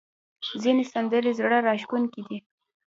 ځینې سندرې زړه راښکونکې دي.